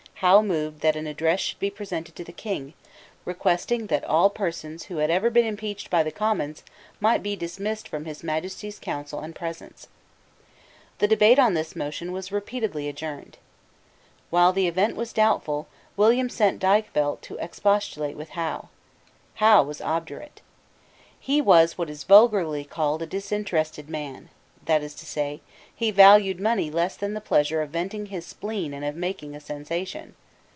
Howe moved that an address should be presented to the King, requesting that all persons who had ever been impeached by the Commons might be dismissed from His Majesty's counsels and presence. The debate on this motion was repeatedly adjourned. While the event was doubtful, William sent Dykvelt to expostulate with Howe. Howe was obdurate. He was what is vulgarly called a disinterested man; that is to say, he valued money less than the pleasure of venting his spleen and of making a sensation.